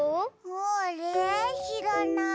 あれしらない。